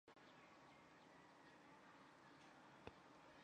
北托纳万达是美国纽约州尼亚加拉县的一座城市。